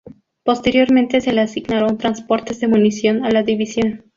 Posteriormente se le asignaron transportes de munición a la división.